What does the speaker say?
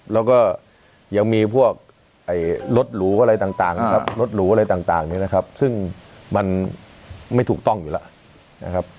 และก็ยังมีพวกไอ้ลดหรูอะไรต่างนี้นะครับซึ่งมันไม่ถูกต้องอยู่แล้วนะครับ